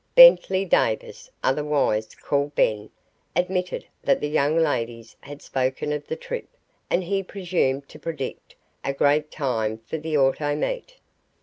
Bentley Davis, otherwise called Ben, admitted that the young ladies had spoken of the trip, and he presumed to predict a great time for the auto meet.